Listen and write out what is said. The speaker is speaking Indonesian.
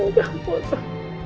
ini bukan kebosan